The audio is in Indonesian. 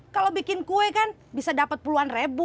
kalau bikin kue kan bisa dapat puluhan ribu